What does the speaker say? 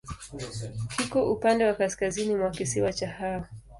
Kiko upande wa kaskazini wa kisiwa cha Hao.